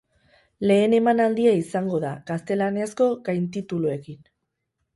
Lehen emanaldia izango da, gaztelaniazko gaintituluekin.